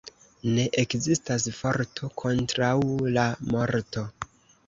Ne ekzistas forto kontraŭ la morto.